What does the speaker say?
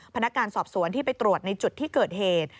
พนักงานสอบสวนที่ไปตรวจในจุดที่เกิดเหตุ